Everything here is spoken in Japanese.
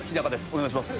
お願いします。